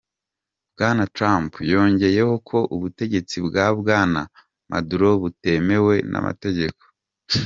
Bwana Trump yongeyeho ko ubutegetsi bwa Bwana Maduro "butemewe n'amategeko".